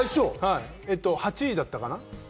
８位だったかな？